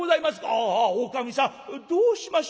「ああおかみさんどうしました？